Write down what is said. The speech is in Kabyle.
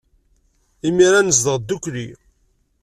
Imir-a, nezdeɣ ddukkli.